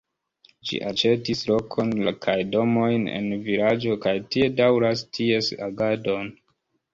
Ĝi aĉetis lokon kaj domojn en vilaĝo kaj tie daŭras ties agadon.